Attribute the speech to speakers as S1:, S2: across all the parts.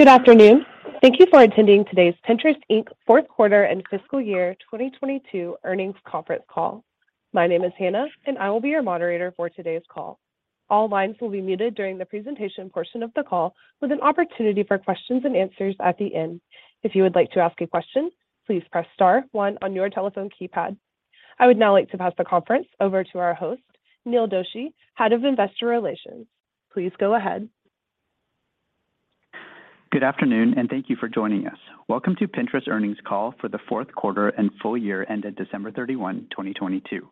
S1: Good afternoon. Thank you for attending today's Pinterest, Inc. fourth quarter and fiscal year 2022 earnings conference call. My name is Hannah, and I will be your moderator for today's call. All lines will be muted during the presentation portion of the call, with an opportunity for questions and answers at the end. If you would like to ask a question, please press star one on your telephone keypad. I would now like to pass the conference over to our host, Neil Doshi, Head of Investor Relations. Please go ahead.
S2: Good afternoon. Thank you for joining us. Welcome to Pinterest’s earnings call for the fourth quarter and full year ended December 31, 2022.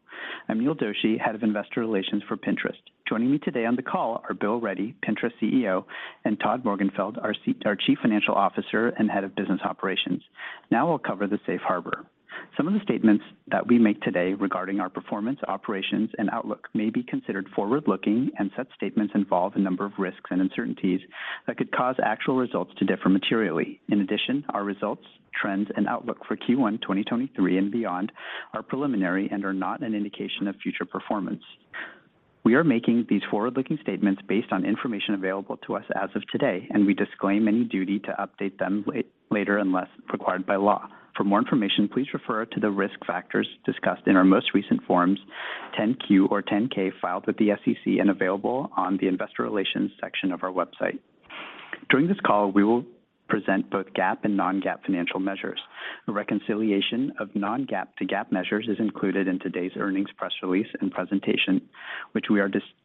S2: I'm Neil Doshi, Head of Investor Relations for Pinterest. Joining me today on the call are Bill Ready, Pinterest CEO, and Todd Morgenfeld, our Chief Financial Officer and Head of Business Operations. Now we'll cover the Safe Harbor. Some statements made today regarding our performance, operations, and outlook may be considered forward-looking and involve risks and uncertainties that could cause actual results to differ materially. In addition, our results, trends, and outlook for Q1 2023 and beyond are preliminary and are not an indication of future performance. We are making these forward-looking statements based on information available as of today, and we disclaim any duty to update them later unless required by law. For more information, please refer to the risk factors discussed in our most recent Form 10-Q or Form 10-K filed with the SEC, available on our investor relations website. During this call, we will present both GAAP and non-GAAP financial measures. A reconciliation of non-GAAP to GAAP measures is included in today's earnings press release and presentation,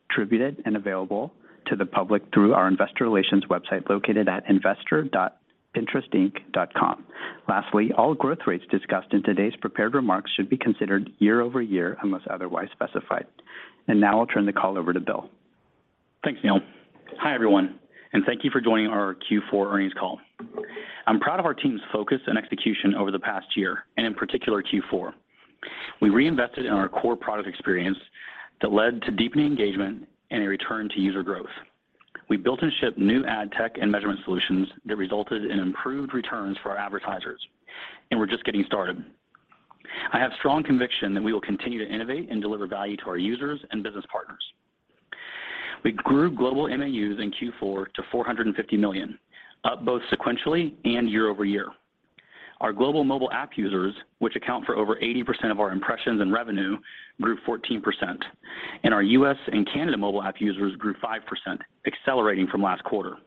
S2: distributed and available to the public through our investor relations website at investor.pinterestinc.com. Lastly, all growth rates discussed in today's prepared remarks should be considered year-over-year unless otherwise specified. I will now turn the call over to Bill.
S3: Thanks, Neil. Hi everyone, and thank you for joining our Q4 earnings call. I'm proud of our team's focus and execution over the past year, and in particular Q4. We reinvested in our core product experience, leading to deepening engagement and a return to user growth. We built and shipped new ad tech and measurement solutions that resulted in improved returns for our advertisers. We're just getting started. I have strong conviction that we will continue to innovate and deliver value to our users and business partners. We grew global MAUs in Q4 to 450 million, up both sequentially and year-over-year. Our global mobile app users, which account for over 80% of our impressions and revenue, grew 14%. Our U.S. and Canada mobile app users grew 5%, accelerating from last quarter.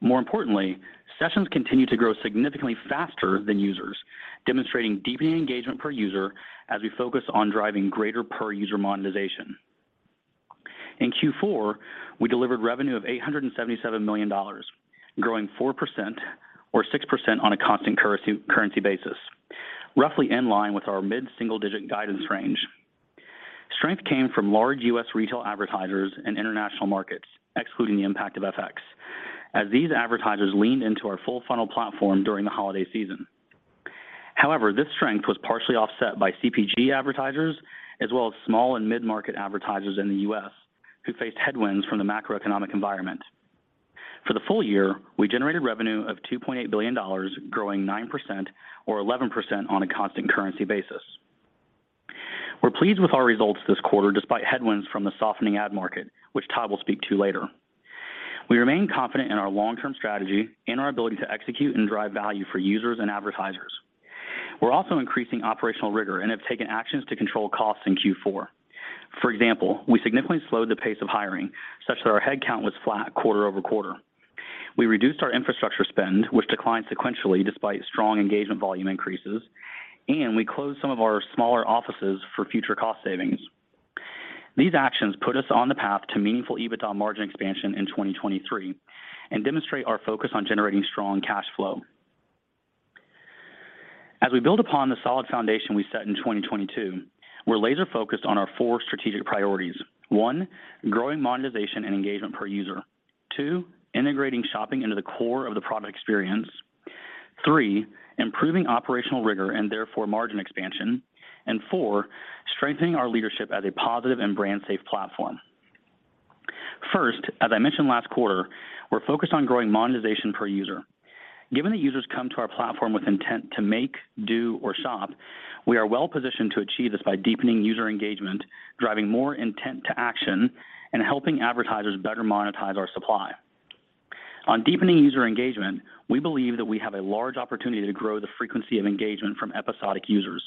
S3: More importantly, sessions continue to grow significantly faster than users, demonstrating deepening engagement per user as we focus on driving greater per-user monetization. In Q4, we delivered revenue of $877 million, growing 4% or 6% on a constant currency basis, roughly in line with our mid-single-digit guidance. Strength came from large U.S. retail advertisers and international markets, excluding the impact of FX, as these advertisers leaned into our full-funnel platform during the holiday season. This strength was partially offset by CPG advertisers and small- and mid-market advertisers in the U.S., who faced headwinds from the macroeconomic environment. For the full year, we generated revenue of $2.8 billion, growing 9% or 11% on a constant currency basis. We're pleased with our results this quarter, despite headwinds from the softening ad market, which Todd will discuss later. We remain confident in our long-term strategy and our ability to execute and drive value for users and advertisers. We're also increasing operational rigor and have taken actions to control costs in Q4. For example, we significantly slowed hiring so our headcount was flat quarter-over-quarter. We reduced our infrastructure spend, which declined sequentially despite strong engagement volume increases, and we closed some smaller offices for future cost savings. These actions put us on the path to meaningful EBITDA margin expansion in 2023 and demonstrate our focus on generating strong cash flow. As we build upon the solid foundation set in 2022, we're laser-focused on our four strategic priorities: First, growing monetization and engagement per user. Second, integrating shopping into the core of the product experience. Third, improving operational rigor and therefore margin expansion. Fourth, strengthening our leadership as a positive and brand-safe platform. On growing monetization per user, given that users come to our platform with intent to make, do, or shop, we are well-positioned to achieve this by deepening user engagement, driving more intent-to-action, and helping advertisers better monetize our supply. Regarding engagement, we have a large opportunity to increase frequency from episodic users.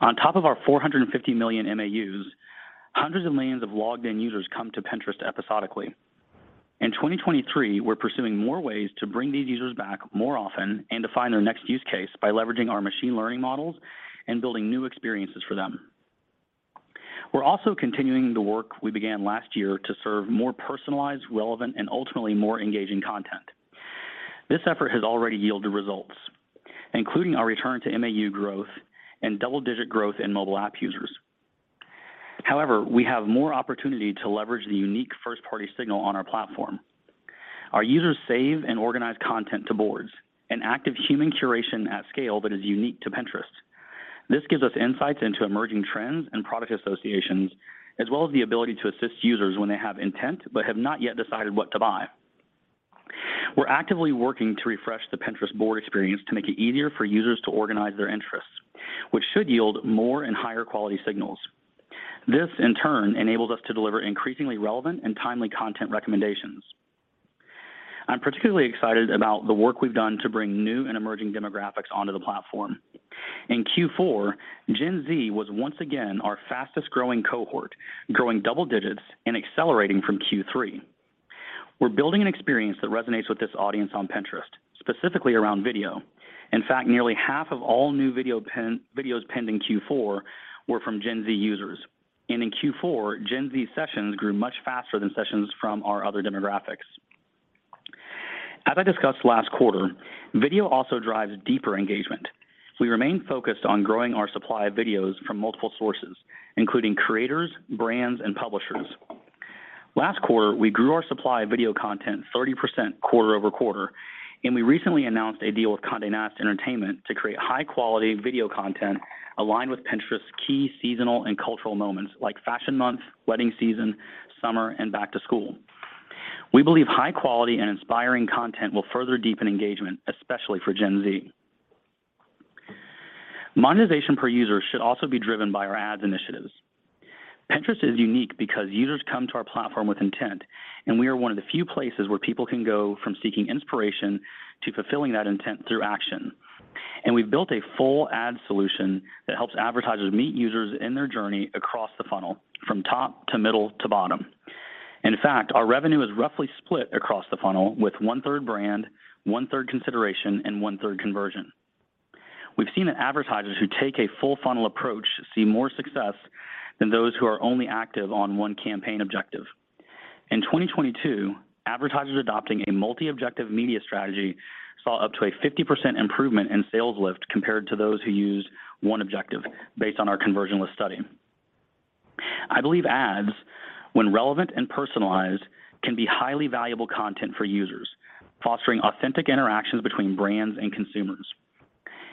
S3: On top of our 450 million MAUs, hundreds of millions of logged-in users come to Pinterest episodically. In 2023, we're pursuing more ways to bring these users back more often and define their next use case by leveraging our machine learning models and building new experiences for them. We're also continuing our work to serve more personalized, relevant, and engaging content. This effort has already yielded results, including our return to MAU growth and double-digit growth in mobile app users. We have more opportunity to leverage the unique first-party signals on our platform. Our users save and organize content to boards—active human curation at scale that is unique to Pinterest. This gives us insights into emerging trends and product associations, as well as the ability to assist users when they have intent but have not yet decided what to buy. We're actively working to refresh the Pinterest board experience to make it easier for users to organize their interests, which should yield more and higher-quality signals. This enables us to deliver increasingly relevant and timely content recommendations. I'm particularly excited about our work to bring new and emerging demographics onto the platform. In Q4, Gen Z was our fastest-growing cohort, growing double digits and accelerating from Q3. We're building an experience that resonates with this audience on Pinterest, specifically around video. Nearly half of all new videos pinned in Q4 were from Gen Z users. Gen Z sessions grew much faster than sessions from other demographics. As discussed last quarter, video drives deeper engagement. We remain focused on growing our supply of videos from multiple sources, including creators, brands, and publishers. Last quarter, we grew our supply of video content 30% quarter-over-quarter. We recently announced a deal with Condé Nast Entertainment to create high-quality video content aligned with Pinterest's key seasonal and cultural moments, such as fashion month, wedding season, summer, and back-to-school. High-quality, inspiring content will further deepen engagement, especially for Gen Z. Monetization per user should also be driven by our ads initiatives. Pinterest is unique because users come to our platform with intent. We are one of the few places where people can go from seeking inspiration to fulfilling that intent through action. We’ve built a full ad solution that helps advertisers meet users in their journey across the funnel—from top to middle to bottom. In fact, our revenue is roughly split across the funnel: one-third brand, one-third consideration, and one-third conversion. Advertisers taking a full-funnel approach see more success than those active on a single campaign objective. In 2022, advertisers adopting a multi-objective media strategy saw up to a 50% improvement in sales lift compared to those using one objective, based on our conversion lift study. Ads, when relevant and personalized, can be highly valuable content for users, fostering authentic interactions between brands and consumers.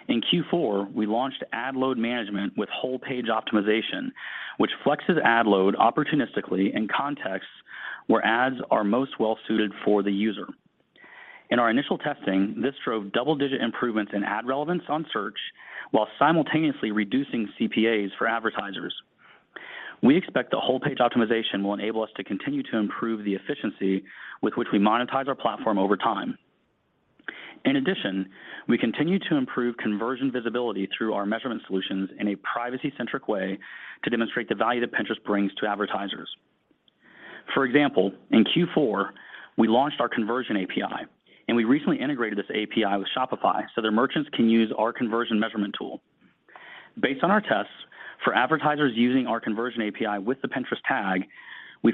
S3: In Q4, we launched ad load management with whole-page optimization, which flexes ad load opportunistically in contexts where ads are most suitable for users. Initial testing drove double-digit improvements in ad relevance on search while reducing CPAs for advertisers. Whole-page optimization will continue to improve the efficiency of monetizing our platform over time. We continue to improve conversion visibility through our measurement solutions in a privacy-centric way to demonstrate the value Pinterest brings to advertisers. For example, in Q4, we launched our Conversion API, which we recently integrated with Shopify, allowing merchants to use our conversion measurement tool. Tests show that advertisers using our Conversion API with the Pinterest tag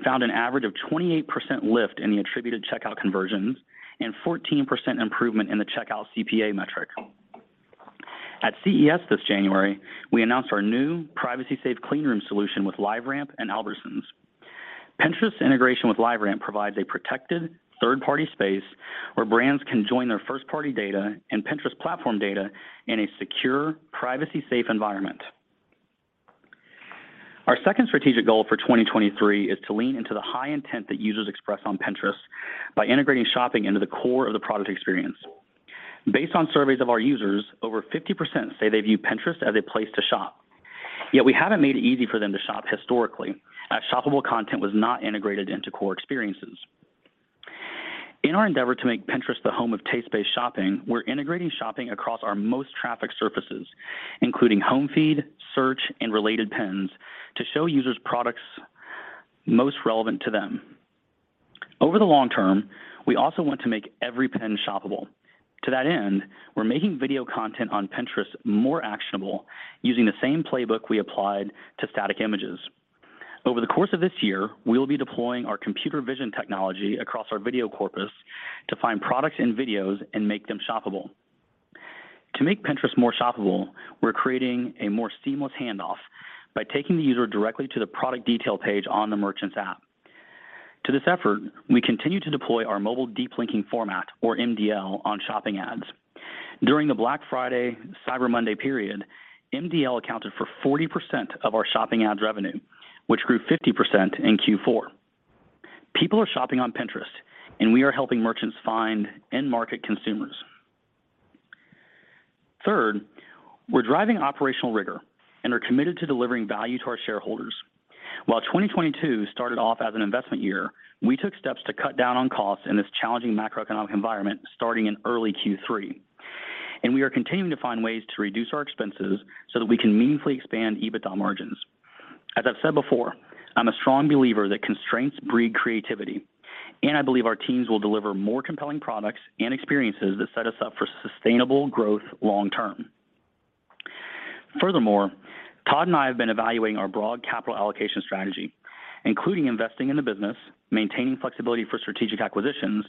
S3: saw an average 28% lift in attributed checkout conversions and 14% improvement in checkout CPA. At CES in January, we announced our privacy-safe clean room solution with LiveRamp and Albertsons. Pinterest integration with LiveRamp provides a protected third-party space where brands can combine their first-party data with Pinterest platform data in a secure, privacy-safe environment. Our second strategic goal for 2023 is to leverage the high intent that users express on Pinterest by integrating shopping into the core product experience. Surveys show over 50% of users view Pinterest as a place to shop. Historically, shoppable content was not fully integrated into core experiences. To make Pinterest the home of taste-based shopping, we are integrating shopping across our most trafficked surfaces, including home feed, search, and related pins, to show users products most relevant to them. Over the long term, we aim to make every pin shoppable. We are also making video content on Pinterest more actionable using the same playbook applied to static images. This year, we will deploy our computer vision technology across our video corpus to identify products and videos and make them shoppable. We are creating a seamless handoff by taking users directly to the product detail page on the merchant's app. To this end, we continue to deploy our mobile deep linking format (MDL) on shopping ads. During Black Friday and Cyber Monday, MDL accounted for 40% of shopping ads revenue, which grew 50% in Q4. People are shopping on Pinterest, and we are helping merchants reach end-market consumers. Third, we are driving operational rigor and are committed to delivering value to our shareholders. While 2022 started as an investment year, we took steps to reduce costs in this challenging macroeconomic environment starting in early Q3. We are continuing to find ways to reduce our expenses so that we can meaningfully expand EBITDA margins. As I've said before, I'm a strong believer that constraints breed creativity, and I believe our teams will deliver more compelling products and experiences that set us up for sustainable growth long term. Furthermore, Todd and I have been evaluating our broad capital allocation strategy, including investing in the business, maintaining flexibility for strategic acquisitions,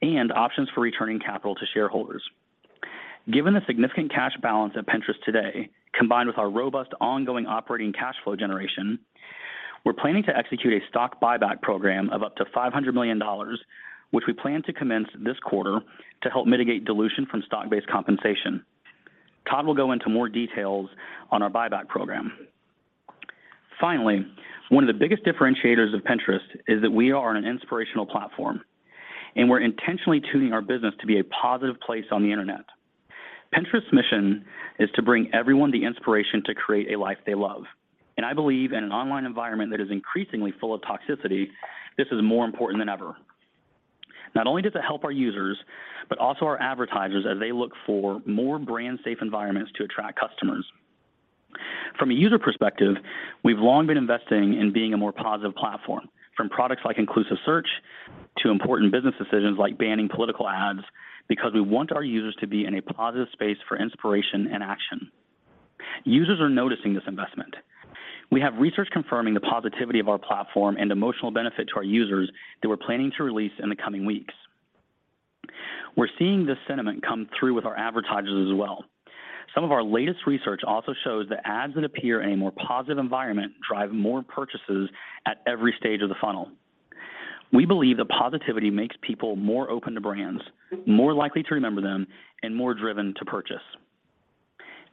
S3: and options for returning capital to shareholders. Given the significant cash balance at Pinterest today, combined with our robust ongoing operating cash flow generation, we're planning to execute a stock buyback program of up to $500 million, which we plan to commence this quarter to help mitigate dilution from stock-based compensation. Todd will go into more details on our buyback program. Finally, one of the biggest differentiators of Pinterest is that we are an inspirational platform, and we're intentionally tuning our business to be a positive place on the Internet. Pinterest's mission is to bring everyone the inspiration to create a life they love. I believe in an online environment that is increasingly full of toxicity, this is more important than ever. Not only does it help our users but also our advertisers as they look for more brand safe environments to attract customers. From a user perspective, we've long been investing in being a more positive platform from products like inclusive search to important business decisions like banning political ads because we want our users to be in a positive space for inspiration and action. Users are noticing this investment. We have research confirming the positivity of our platform and emotional benefit to our users that we're planning to release in the coming weeks. We're seeing this sentiment come through with our advertisers as well. Some of our latest research also shows that ads that appear in a more positive environment drive more purchases at every stage of the funnel. We believe that positivity makes people more open to brands, more likely to remember them, and more driven to purchase.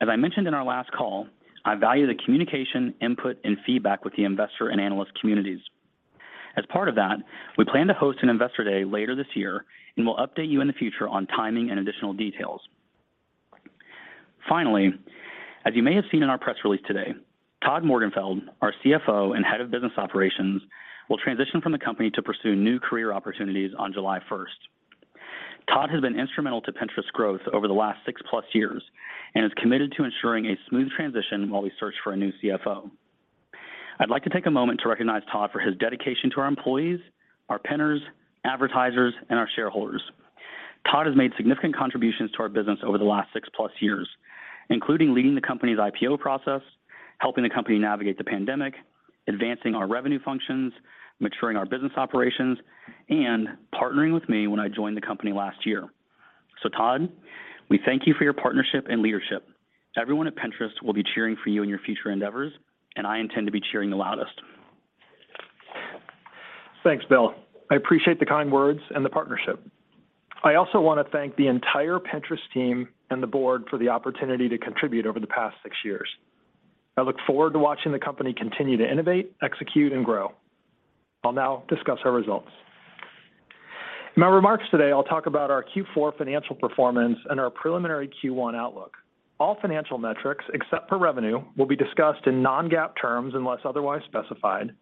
S3: As I mentioned in our last call, I value the communication, input, and feedback with the investor and analyst communities. As part of that, we plan to host an investor day later this year, and we'll update you in the future on timing and additional details. Finally, as you may have seen in our press release today, Todd Morgenfeld, our CFO and head of business operations, will transition from the company to pursue new career opportunities on July first. Todd has been instrumental to Pinterest growth over the last six-plus years and is committed to ensuring a smooth transition while we search for a new CFO. I'd like to take a moment to recognize Todd for his dedication to our employees, our pinners, advertisers, and our shareholders. Todd has made significant contributions to our business over the last six-plus years, including leading the company's IPO process, helping the company navigate the pandemic, advancing our revenue functions, maturing our business operations, and partnering with me when I joined the company last year. Todd, we thank you for your partnership and leadership. Everyone at Pinterest will be cheering for you in your future endeavors. I intend to be cheering the loudest.
S4: Thanks, Bill. I appreciate the kind words and the partnership. I also want to thank the entire Pinterest team and the board for the opportunity to contribute over the past six years. I look forward to watching the company continue to innovate, execute, and grow. I'll now discuss our results. In my remarks today, I'll talk about our Q4 financial performance and our preliminary Q1 outlook. All financial metrics, except for revenue, will be discussed in non-GAAP terms unless otherwise specified.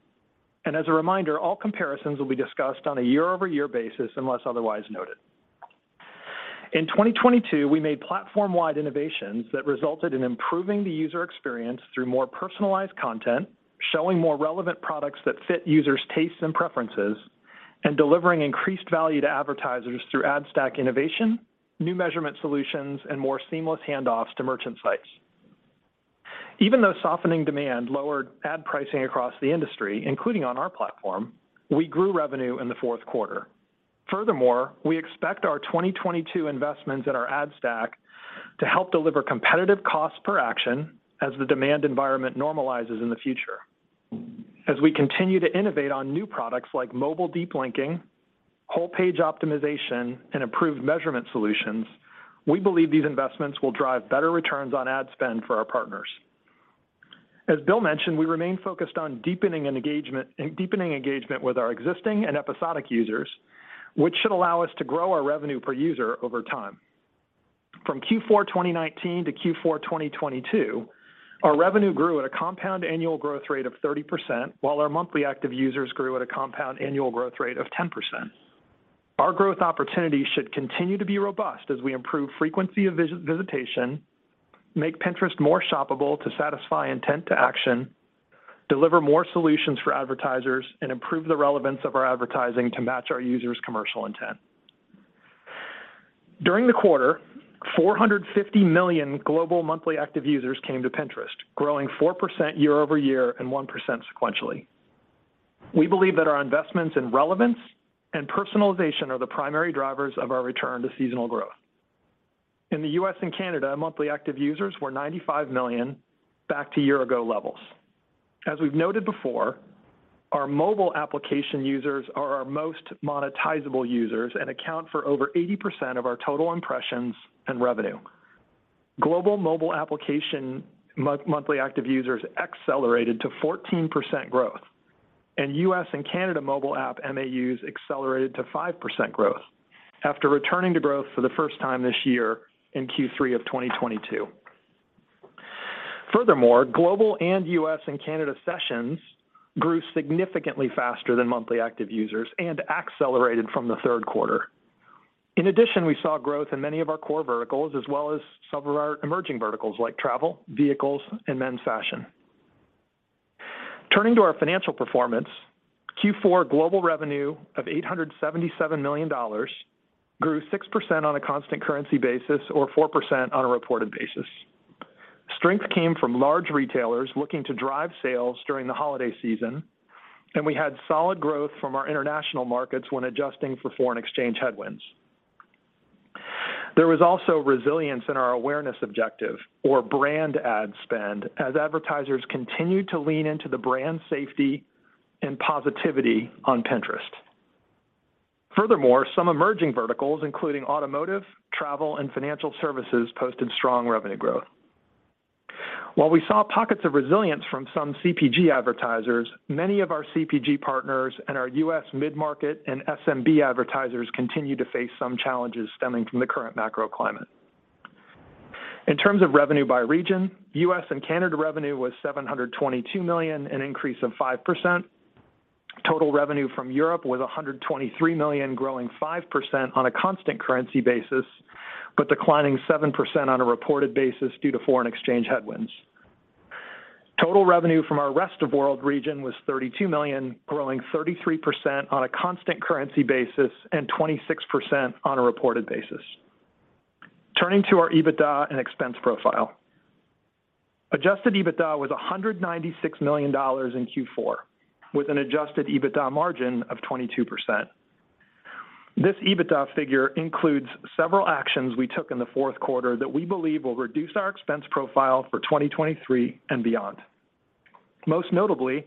S4: As a reminder, all comparisons will be discussed on a year-over-year basis unless otherwise noted. In 2022, we made platform-wide innovations that resulted in improving the user experience through more personalized content, showing more relevant products that fit users' tastes and preferences, and delivering increased value to advertisers through ad stack innovation, new measurement solutions, and more seamless handoffs to merchant sites. Even though softening demand lowered ad pricing across the industry, including on our platform, we grew revenue in the fourth quarter. We expect our 2022 investments in our ad stack to help deliver competitive cost per action as the demand environment normalizes in the future. As we continue to innovate on new products like mobile deep linking, whole-page optimization, and improved measurement solutions, we believe these investments will drive better returns on ad spend for our partners. As Bill mentioned, we remain focused on deepening engagement with our existing and episodic users, which should allow us to grow our revenue per user over time. From Q4 2019 to Q4 2022, our revenue grew at a compound annual growth rate of 30%, while our monthly active users grew at a compound annual growth rate of 10%. Our growth opportunities should continue to be robust as we improve frequency of visitation, make Pinterest more shoppable to satisfy intent to action, deliver more solutions for advertisers, improve the relevance of our advertising to match our users' commercial intent. During the quarter, 450 million global monthly active users came to Pinterest, growing 4% year-over-year and 1% sequentially. We believe that our investments in relevance and personalization are the primary drivers of our return to seasonal growth. In the US and Canada, monthly active users were 95 million back to year ago levels. As we've noted before, our mobile application users are our most monetizable users and account for over 80% of our total impressions and revenue. Global mobile application monthly active users accelerated to 14% growth. US and Canada mobile app MAUs accelerated to 5% growth after returning to growth for the first time this year in Q3 of 2022. Global and US and Canada sessions grew significantly faster than monthly active users and accelerated from the third quarter. We saw growth in many of our core verticals as well as several of our emerging verticals like travel, vehicles, and men's fashion. Turning to our financial performance, Q4 global revenue of $877 million grew 6% on a constant currency basis or 4% on a reported basis. Strength came from large retailers looking to drive sales during the holiday season. We had solid growth from our international markets when adjusting for foreign exchange headwinds. There was also resilience in our awareness objective or brand ad spend as advertisers continued to lean into the brand safety and positivity on Pinterest. Some emerging verticals, including automotive, travel, and financial services, posted strong revenue growth. While we saw pockets of resilience from some CPG advertisers, many of our CPG partners and our U.S. mid-market and SMB advertisers continue to face some challenges stemming from the current macro climate. In terms of revenue by region, U.S. and Canada revenue was $722 million, an increase of 5%. Total revenue from Europe was $123 million, growing 5% on a constant currency basis, but declining 7% on a reported basis due to foreign exchange headwinds. Total revenue from our rest of world region was $32 million, growing 33% on a constant currency basis and 26% on a reported basis. Turning to our EBITDA and expense profile. Adjusted EBITDA was $196 million in Q4, with an adjusted EBITDA margin of 22%. This EBITDA figure includes several actions we took in the fourth quarter that we believe will reduce our expense profile for 2023 and beyond. Most notably,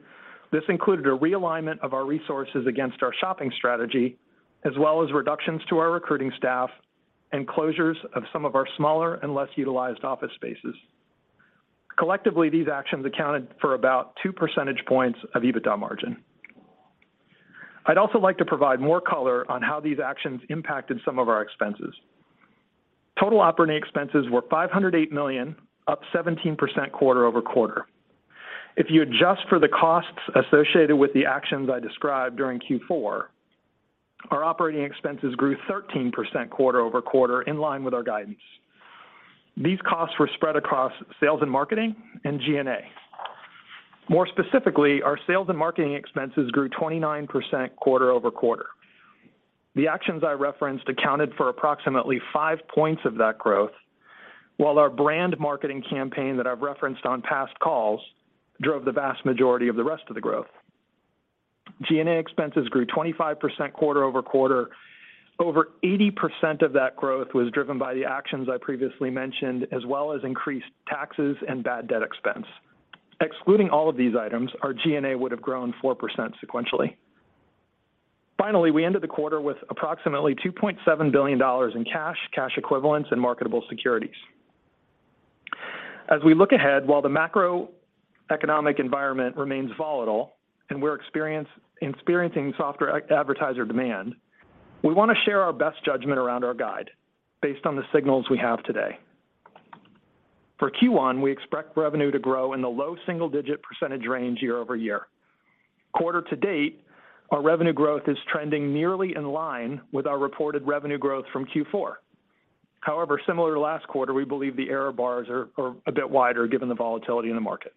S4: this included a realignment of our resources against our shopping strategy, as well as reductions to our recruiting staff and closures of some of our smaller and less utilized office spaces. Collectively, these actions accounted for about 2 percentage points of EBITDA margin. I'd also like to provide more color on how these actions impacted some of our expenses. Total operating expenses were $508 million, up 17% quarter-over-quarter. If you adjust for the costs associated with the actions I described during Q4, our operating expenses grew 13% quarter-over-quarter in line with our guidance. These costs were spread across sales and marketing and G&A. More specifically, our sales and marketing expenses grew 29% quarter-over-quarter. The actions I referenced accounted for approximately five points of that growth, while our brand marketing campaign that I've referenced on past calls drove the vast majority of the rest of the growth. G&A expenses grew 25% quarter-over-quarter. Over 80% of that growth was driven by the actions I previously mentioned, as well as increased taxes and bad debt expense. Excluding all of these items, our G&A would have grown 4% sequentially. Finally, we ended the quarter with approximately $2.7 billion in cash equivalents, and marketable securities. As we look ahead, while the macroeconomic environment remains volatile and we're experiencing softer advertiser demand, we want to share our best judgment around our guide based on the signals we have today. For Q1, we expect revenue to grow in the low single-digit % range year-over-year. Quarter to date, our revenue growth is trending nearly in line with our reported revenue growth from Q4. However, similar to last quarter, we believe the error bars are a bit wider given the volatility in the market.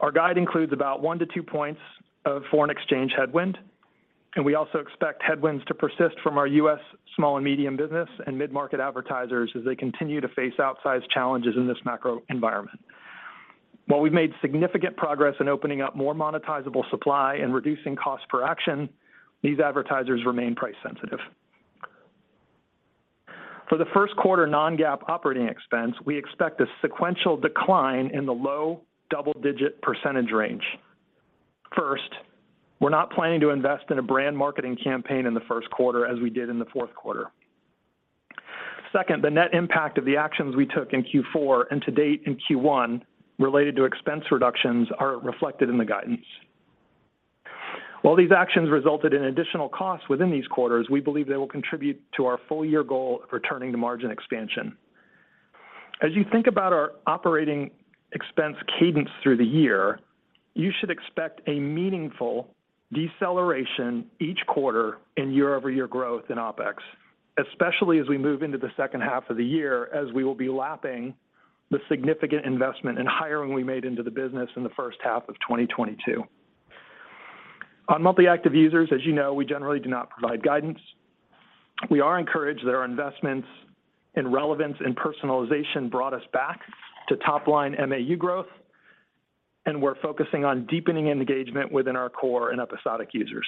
S4: Our guide includes about 1-2 points of foreign exchange headwind, and we also expect headwinds to persist from our U.S. small and medium business and mid-market advertisers as they continue to face outsized challenges in this macro environment. While we've made significant progress in opening up more monetizable supply and reducing cost per action, these advertisers remain price sensitive. For the first quarter non-GAAP operating expense, we expect a sequential decline in the low double-digit % range. First, we're not planning to invest in a brand marketing campaign in the first quarter as we did in the fourth quarter. Second, the net impact of the actions we took in Q4 and to date in Q1 related to expense reductions are reflected in the guidance. While these actions resulted in additional costs within these quarters, we believe they will contribute to our full year goal of returning to margin expansion. As you think about our operating expense cadence through the year, you should expect a meaningful deceleration each quarter in year-over-year growth in OpEx, especially as we move into the second half of the year, as we will be lapping the significant investment in hiring we made into the business in the first half of 2022. On monthly active users, as you know, we generally do not provide guidance. We are encouraged that our investments in relevance and personalization brought us back to top-line MAU growth. We're focusing on deepening engagement within our core and episodic users.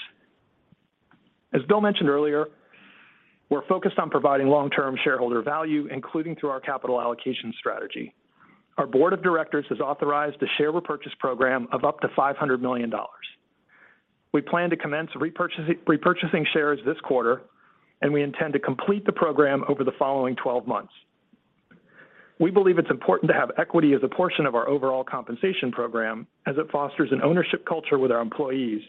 S4: As Bill mentioned earlier, we're focused on providing long-term shareholder value, including through our capital allocation strategy. Our board of directors has authorized a share repurchase program of up to $500 million.. We plan to commence repurchasing shares this quarter, and we intend to complete the program over the following 12 months. We believe it's important to have equity as a portion of our overall compensation program as it fosters an ownership culture with our employees,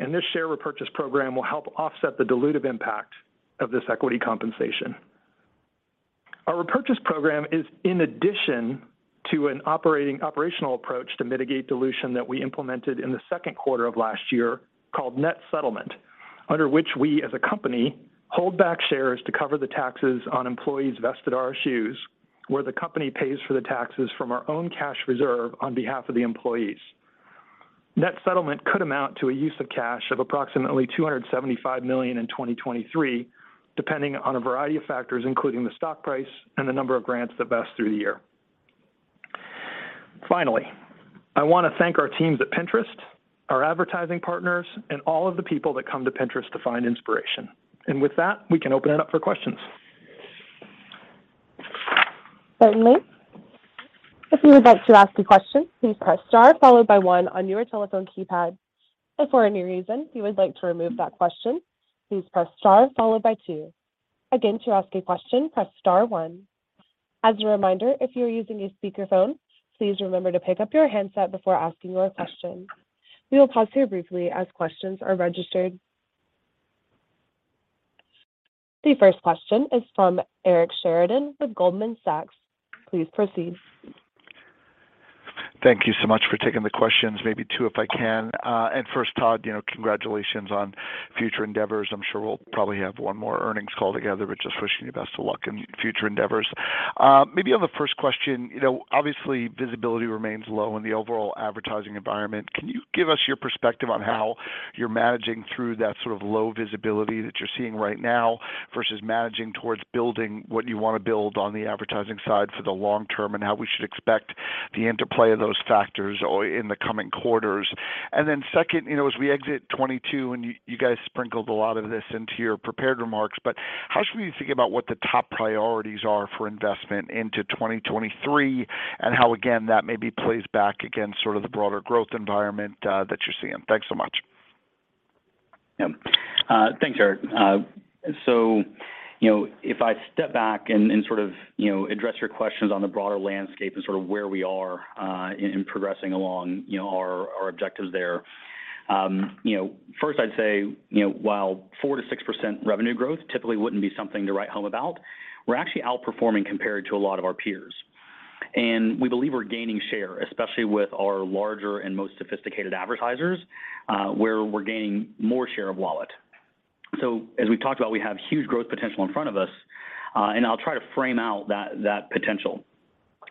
S4: and this share repurchase program will help offset the dilutive impact of this equity compensation. Our repurchase program is in addition to an operational approach to mitigate dilution that we implemented in the second quarter of last year called net settlement, under which we, as a company, hold back shares to cover the taxes on employees vested RSUs, where the company pays for the taxes from our own cash reserve on behalf of the employees. Net settlement could amount to a use of cash of approximately $275 million in 2023, depending on a variety of factors, including the stock price and the number of grants that vest through the year. Finally, I want to thank our teams at Pinterest, our advertising partners, and all of the people that come to Pinterest to find inspiration. With that, we can open it up for questions.
S5: Certainly. If you would like to ask a question, please press star followed by 1 on your telephone keypad. If for any reason you would like to remove that question, please press star followed by 2.
S1: Again, to ask a question, press star one. As a reminder, if you're using a speakerphone, please remember to pick up your handset before asking your question. We will pause here briefly as questions are registered. The first question is from Eric Sheridan with Goldman Sachs. Please proceed.
S6: Thank you so much for taking the questions. Maybe two, if I can. First, Todd, you know, congratulations on future endeavors. I'm sure we'll probably have one more earnings call together, but just wishing you best of luck in future endeavors. Maybe on the first question, you know, obviously visibility remains low in the overall advertising environment. Can you give us your perspective on how you're managing through that sort of low visibility that you're seeing right now versus managing towards building what you want to build on the advertising side for the long term, and how we should expect the interplay of those factors or in the coming quarters? Second, you know, as we exit 2022, you guys sprinkled a lot of this into your prepared remarks, but how should we think about what the top priorities are for investment into 2023, how again, that maybe plays back against sort of the broader growth environment that you're seeing? Thanks so much.
S3: Yep. Thanks, Eric. You know, if I step back and sort of, you know, address your questions on the broader landscape and sort of where we are, in progressing along, you know, our objectives there. You know, first I'd say, you know, while 4%-6% revenue growth typically wouldn't be something to write home about, we're actually outperforming compared to a lot of our peers. We believe we're gaining share, especially with our larger and most sophisticated advertisers, where we're gaining more share of wallet. As we've talked about, we have huge growth potential in front of us, and I'll try to frame out that potential.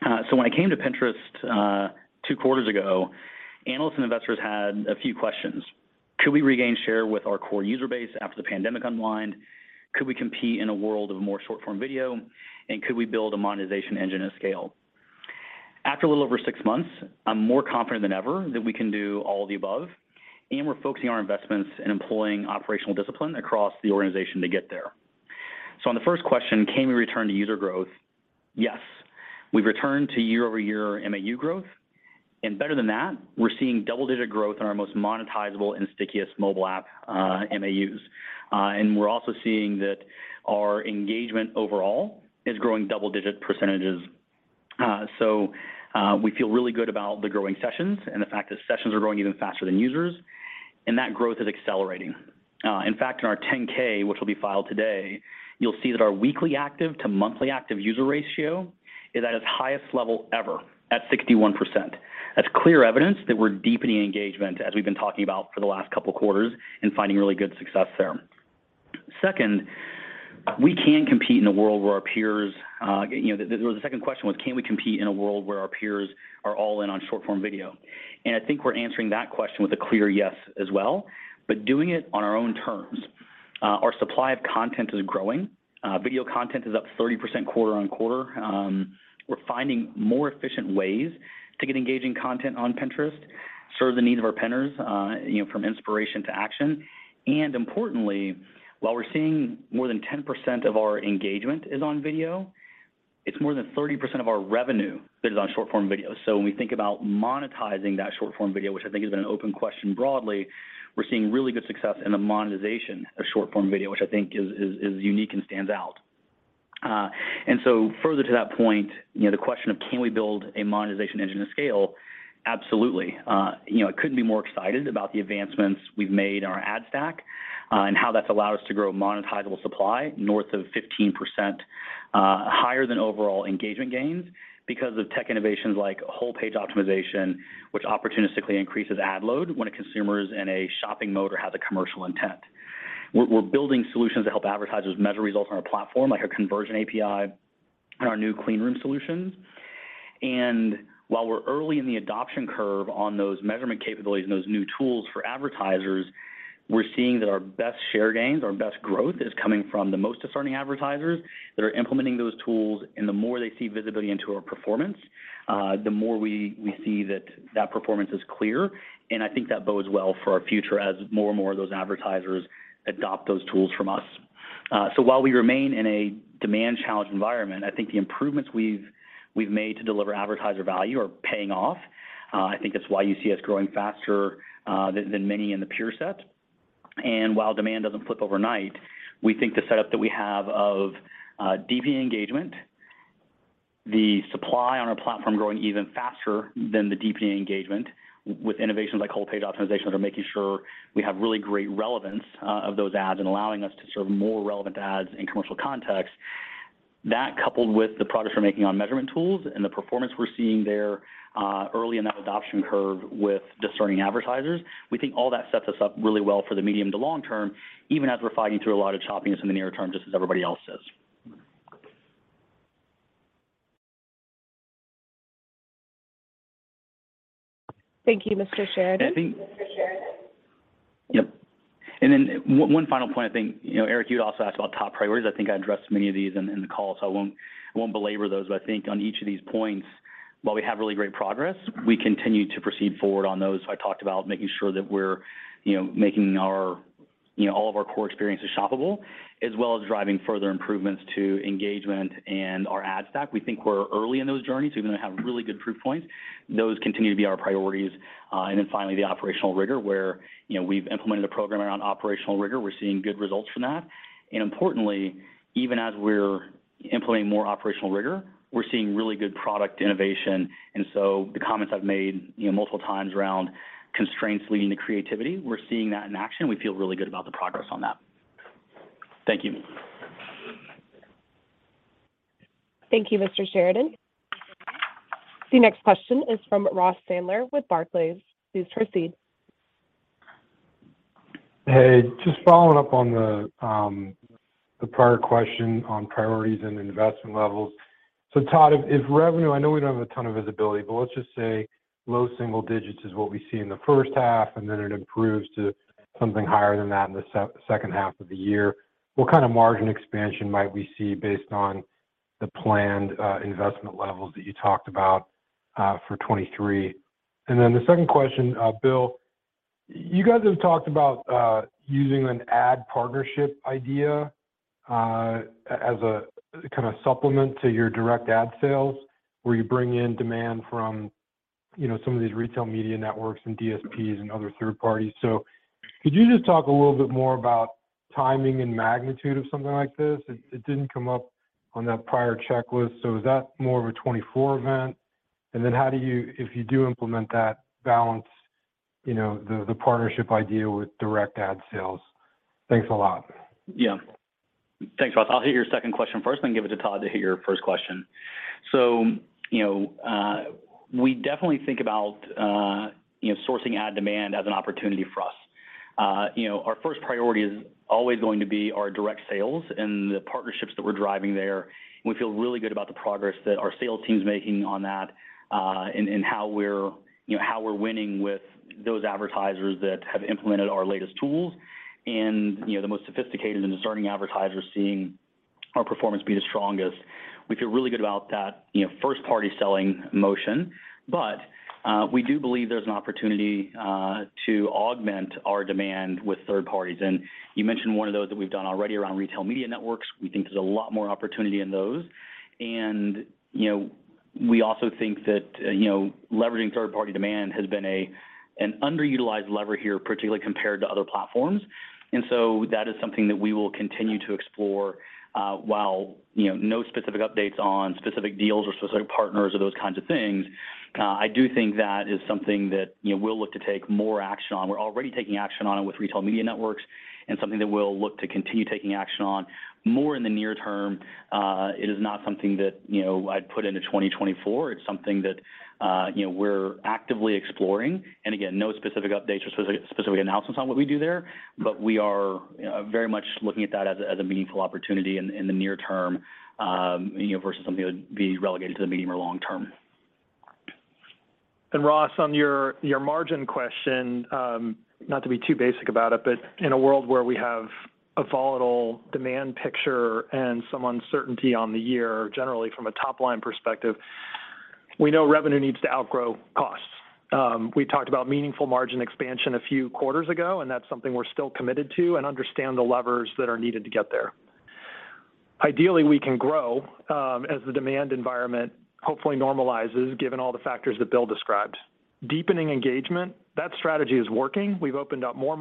S3: When I came to Pinterest, 2 quarters ago, analysts and investors had a few questions. Could we regain share with our core user base after the pandemic unwind? Could we compete in a world of more short-form video? Could we build a monetization engine at scale? After a little over six months, I'm more confident than ever that we can do all of the above, and we're focusing our investments in employing operational discipline across the organization to get there. On the first question, can we return to user growth? Yes. We've returned to year-over-year MAU growth, and better than that, we're seeing double-digit growth on our most monetizable and stickiest mobile app MAUs. We're also seeing that our engagement overall is growing double-digit percentages. We feel really good about the growing sessions and the fact that sessions are growing even faster than users, and that growth is accelerating. In fact, in our Form 10-K, which will be filed today, you'll see that our weekly active to monthly active user ratio is at its highest level ever, at 61%. That's clear evidence that we're deepening engagement as we've been talking about for the last couple quarters and finding really good success there. Second, we can compete in a world where our peers. You know, the second question was, can we compete in a world where our peers are all in on short-form video? I think we're answering that question with a clear yes as well, but doing it on our own terms. Our supply of content is growing. Video content is up 30% quarter-on-quarter. We're finding more efficient ways to get engaging content on Pinterest, serve the needs of our pinners, you know, from inspiration to action. Importantly, while we're seeing more than 10% of our engagement is on video, it's more than 30% of our revenue that is on short-form video. When we think about monetizing that short-form video, which I think has been an open question broadly, we're seeing really good success in the monetization of short-form video, which I think is unique and stands out. Further to that point, you know, the question of can we build a monetization engine to scale? Absolutely. You know, I couldn't be more excited about the advancements we've made in our ad stack, and how that's allowed us to grow monetizable supply north of 15%, higher than overall engagement gains because of tech innovations like whole-page optimization, which opportunistically increases ad load when a consumer is in a shopping mode or has a commercial intent. We're building solutions to help advertisers measure results on our platform, like our Conversion API and our new clean room solutions. While we're early in the adoption curve on those measurement capabilities and those new tools for advertisers, we're seeing that our best share gains, our best growth is coming from the most discerning advertisers that are implementing those tools. The more they see visibility into our performance, the more we see that performance is clear, and I think that bodes well for our future as more and more of those advertisers adopt those tools from us. While we remain in a demand-challenged environment, I think the improvements we've made to deliver advertiser value are paying off. I think that's why you see us growing faster than many in the peer set. While demand doesn't flip overnight, we think the setup that we have of deepening engagement, the supply on our platform growing even faster than the deepening engagement with innovations like whole-page optimization that are making sure we have really great relevance of those ads and allowing us to serve more relevant ads in commercial context. That coupled with the progress we're making on measurement tools and the performance we're seeing there, early in that adoption curve with discerning advertisers, we think all that sets us up really well for the medium to long term, even as we're fighting through a lot of choppiness in the near term, just as everybody else is.
S1: Thank you, Mr. Sheridan.
S6: I think-
S1: Mr. Sheridan.
S3: Yep. 1 final point. I think, you know, Eric, you'd also asked about top priorities. I think I addressed many of these in the call, so I won't belabor those. I think on each of these points, while we have really great progress, we continue to proceed forward on those. I talked about making sure that we're, you know, making all of our core experience is shoppable, as well as driving further improvements to engagement and our ad stack. We think we're early in those journeys, so we're gonna have really good proof points. Those continue to be our priorities. Finally, the operational rigor, where, you know, we've implemented a program around operational rigor. We're seeing good results from that. Importantly, even as we're implementing more operational rigor, we're seeing really good product innovation. The comments I've made, you know, multiple times around constraints leading to creativity, we're seeing that in action. We feel really good about the progress on that. Thank you.
S5: Thank you, Mr. Sheridan. The next question is from Ross Sandler with Barclays. Please proceed.
S7: Hey, just following up on the prior question on priorities and investment levels. Todd, if revenue, I know we don't have a ton of visibility, but let's just say low single digits is what we see in the first half, and then it improves to something higher than that in the second half of the year. What kind of margin expansion might we see based on the planned investment levels that you talked about for 2023? The second question, Bill, you guys have talked about using an ad partnership idea as a kind of supplement to your direct ad sales, where you bring in demand from some of these retail media networks and DSPs and other third parties. Could you just talk a little bit more about timing and magnitude of something like this? It didn't come up on that prior checklist. Is that more of a 2024 event? How do you, if you do implement that balance, manage the partnership idea with direct ad sales? Thanks a lot.
S3: Yeah. Thanks, Ross. I'll hit your second question first, then give it to Todd to hit your first question. We definitely think about sourcing ad demand as an opportunity. Our first priority is always going to be our direct sales and the partnerships that we're driving there. We feel really good about the progress our sales team is making and how we're winning with those advertisers that have implemented our latest tools. The most sophisticated and discerning advertisers are seeing our performance be the strongest. We feel really good about that first-party selling motion. We do believe there's an opportunity to augment our demand with third parties. You mentioned one of those that we've done already around retail media networks. We think there's a lot more opportunity there. Leveraging third-party demand has been an underutilized lever, particularly compared to other platforms. That is something we will continue to explore. No specific updates on deals or partners yet, but it’s something we’ll take more action on in the near term. We’re already taking action with retail media networks and plan to continue. It is not something I would put into 2024; we are actively exploring it. We are very much looking at that as a meaningful opportunity in the near term, versus something relegated to the medium or long term.
S4: Ross, on your margin question, not to be too basic, but in a world with a volatile demand picture and some uncertainty on the year, revenue needs to outgrow costs. We talked about meaningful margin expansion a few quarters ago, and that's something we're still committed to. Ideally, as the demand environment normalizes, deepening engagement strategy, opening up more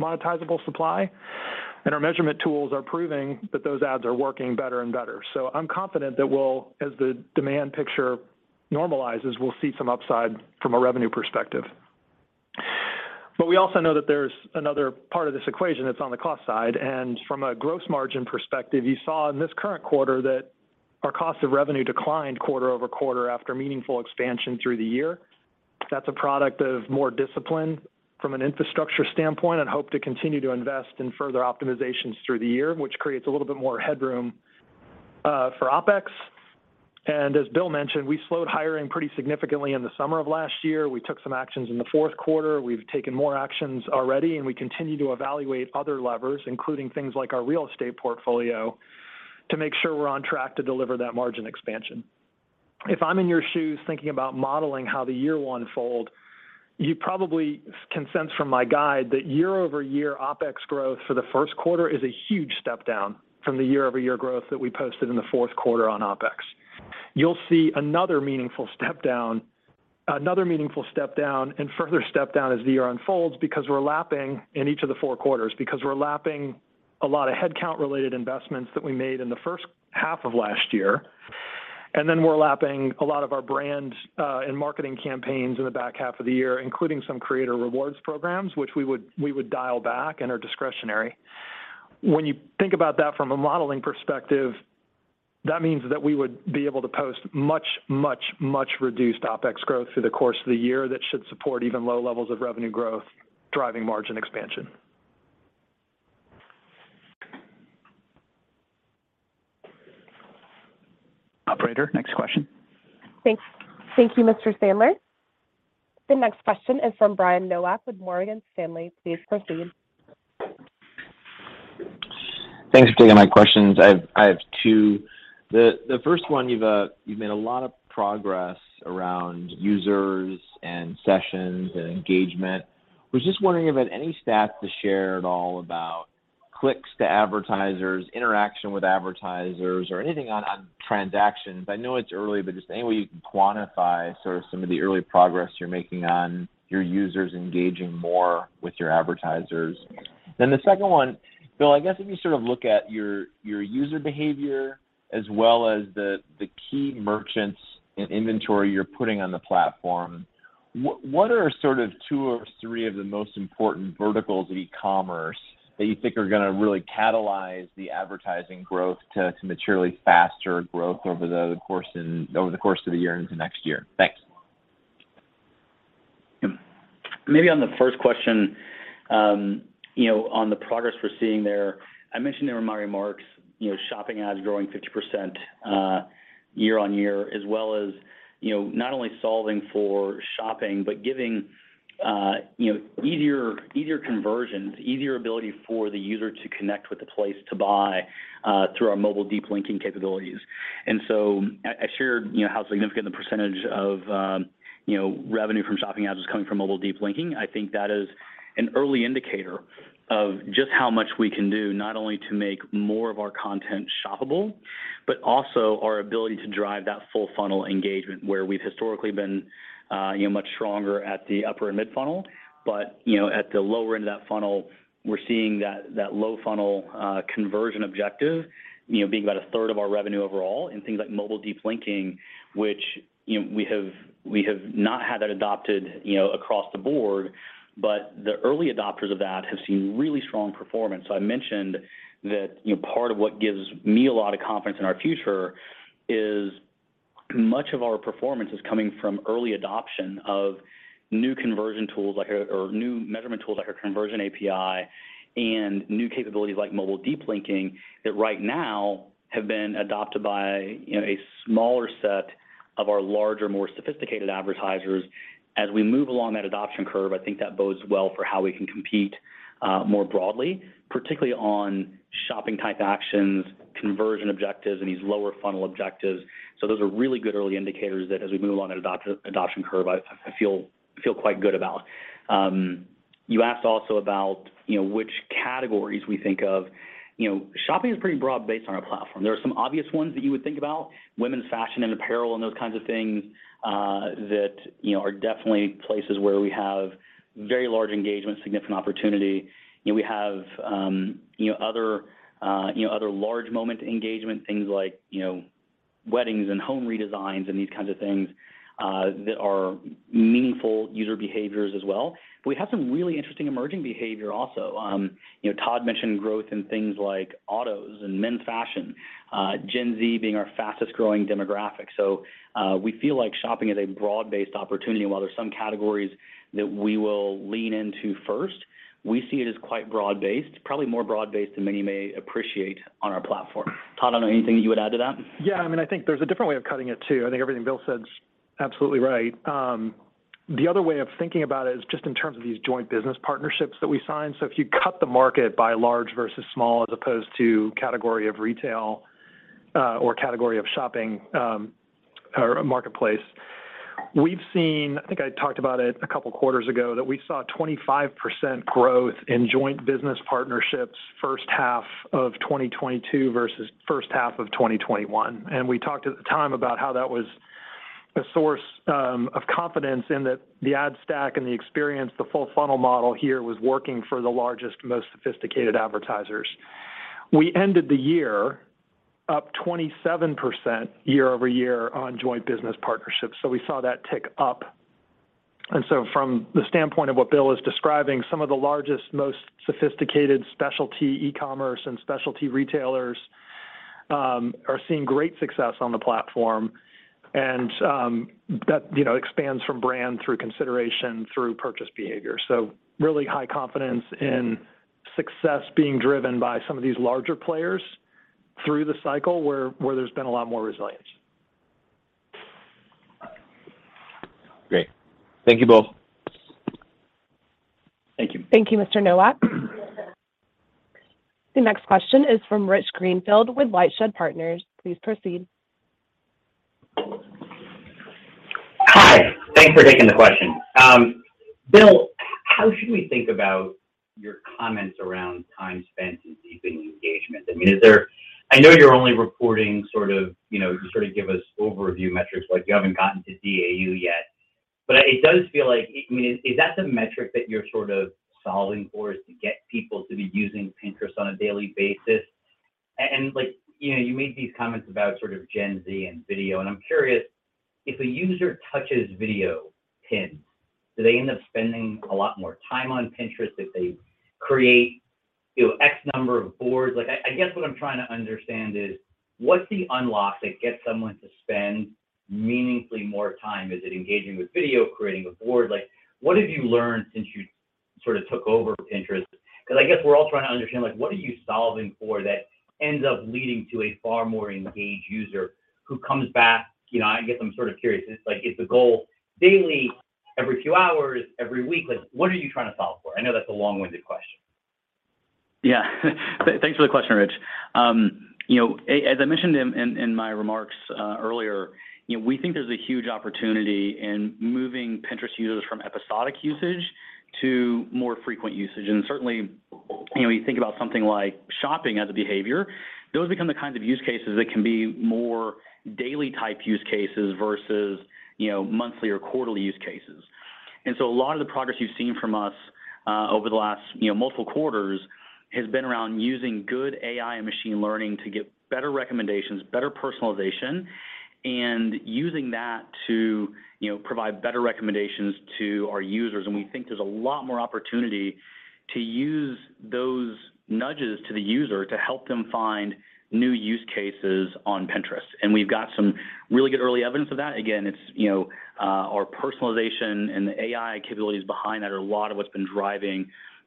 S4: monetizable supply, and our measurement tools will drive better returns on ad spend. As the demand picture normalizes, we expect upside from a revenue perspective. On the cost side, gross margin improved this quarter due to more discipline in infrastructure. We plan further optimizations and slowed hiring significantly last summer. We continue to evaluate other levers, including our real estate portfolio, to stay on track for margin expansion. For modeling purposes, year-over-year OpEx growth for Q1 is a huge step down from Q4. You'll see further step downs through the year as we lap headcount investments from H1 2022 and brand/marketing campaigns in H2, including some discretionary creator rewards programs. This means we can post significantly reduced OpEx growth through the year, supporting even low levels of revenue growth and driving margin expansion.
S3: Operator, next question.
S5: Thanks. Thank you, Mr. Sandler. The next question is from Brian Nowak with Morgan Stanley. Please proceed.
S8: Thanks for taking my questions. I have two. First, you’ve made progress around users, sessions, and engagement. Any stats on clicks to advertisers, interaction with advertisers, or transactions? I know it's early, but any way to quantify early progress on users engaging with advertisers? Second, Bill, regarding user behavior and key merchants/inventory, what are two or three of the most important e-commerce verticals that will catalyze advertising growth over the course of this year into next?
S3: On the first question, shopping ads grew 50% YoY. We are enabling easier conversions and user access to purchase via mobile deep linking. Significant revenue from shopping ads comes from mobile deep linking, showing early indicators of full funnel engagement. This helps make more content shoppable and demonstrates our ability to drive full funnel performance, where historically we’ve been stronger in the upper and mid-funnel. At the lower funnel, conversion objectives represent about a third of revenue via mobile deep linking, which hasn’t been adopted platform-wide. Early adopters show strong performance. Much of our confidence in the future comes from early adoption of new conversion and measurement tools, like Conversion API and mobile deep linking, used by a smaller set of larger, sophisticated advertisers. As adoption grows, this bodes well for competing broadly on shopping and lower funnel actions. Early indicators show positive trends. Shopping is broad on our platform: women’s fashion, apparel, weddings, home redesigns, and other high-engagement categories. These represent meaningful user behaviors. Emerging behaviors include autos and men’s fashion. Gen Z is the fastest-growing demographic. Shopping is broad-based, with some categories prioritized first, but the opportunity is larger than many may realize. Todd, anything to add?
S4: Everything Bill said is accurate. Another perspective is via joint business partnerships. Comparing large vs small rather than by retail category, we saw 25% growth in joint partnerships in H1 2022 vs H1 2021. This confirms that the ad stack and full funnel model work for the largest, most sophisticated advertisers. We ended the year up 27% YoY in joint business partnerships. This growth shows that large, sophisticated specialty e-commerce and retailers succeed on the platform. Engagement expands from brand through consideration to purchase behavior. We have high confidence in success driven by these larger players throughout the cycle, despite market challenges.
S8: Great. Thank you both.
S3: Thank you.
S1: Thank you, Mr. Nowak. The next question is from Rich Greenfield with Lightshed Partners. Please proceed.
S9: Hi. Thanks for taking the question. Bill, how should we think about your comments around time spent and deepening engagement? I know you're only reporting overview metrics and haven't gotten to DAU yet. Is that the metric you're trying to optimize—getting people to use Pinterest daily? You mentioned Gen Z and video—if a user touches a video pin, do they spend more time on Pinterest if they create X number of boards? I'm trying to understand what unlocks meaningful increases in time spent. Is it engaging with video, creating a board? What have you learned since taking over Pinterest? What are you solving for that leads to a more engaged user who comes back regularly? Daily, every few hours, weekly—what’s the goal? I know that’s a long-winded question.
S3: Thanks, Rich. As I mentioned earlier, we see a huge opportunity in moving users from episodic to more frequent usage. Shopping behaviors are more daily-use oriented versus monthly or quarterly. Much of our progress comes from AI and machine learning providing better personalization and recommendations. We see opportunities to use nudges to help users discover new use cases on Pinterest, increasing engagement and frequency of visits. We have early evidence that personalization and AI are driving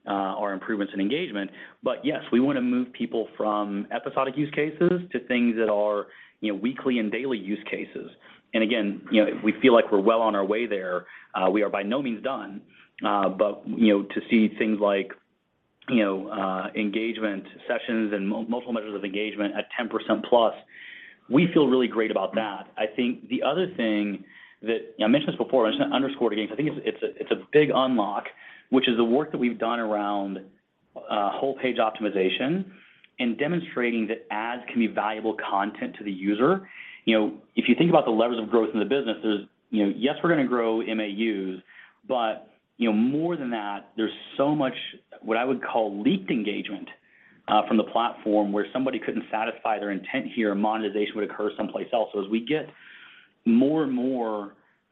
S3: engagement improvements. We aim to move people from episodic to weekly and daily usage. Engagement sessions and multiple engagement measures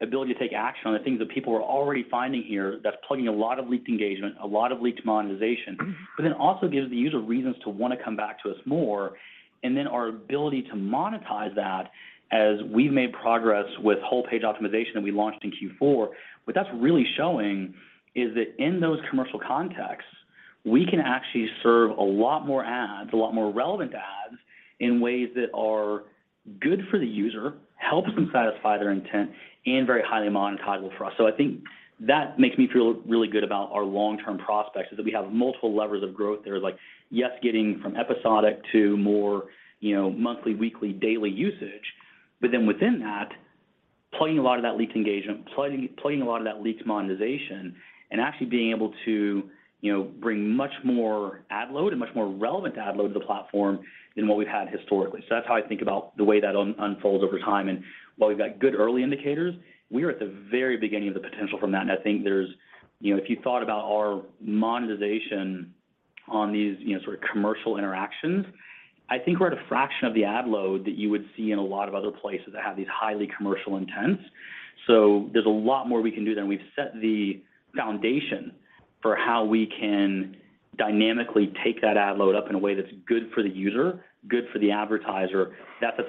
S3: are already growing 10%+, which is promising. We’re still early in this journey, but these trends give us confidence in building deeper user engagement. A key unlock is whole-page optimization, showing ads as valuable content. Growth levers include MAU expansion and plugging leaked engagement where users’ intent wasn’t satisfied, capturing monetization that might otherwise occur elsewhere. These strategies give users reasons to return more frequently while increasing revenue opportunities. Whole-page optimization launched in Q4, letting us serve more relevant ads in commercial contexts, satisfying user intent and monetization. Multiple growth levers exist: episodic to daily usage, capturing leaked engagement and monetization, and increasing relevant ad load. This positions us for long-term growth beyond historical levels. While we have early indicators, we’re at the beginning of realizing this potential. Ad load is currently a fraction of what highly commercial platforms serve. We’ve laid the foundation to dynamically scale ad load in a user- and advertiser-friendly way, unlocking more revenue potential over time. Tying back to third-party demand, supply must exist before adding demand. Supply growth outpaces engagement growth, giving us the ability to serve